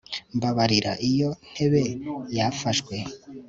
mbabarira, iyo ntebe yafashwe